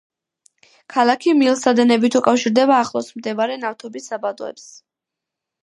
ქალაქი მილსადენებით უკავშირდება ახლოს მდებარე ნავთობის საბადოებს.